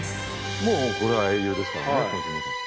もうこれは英雄ですからね。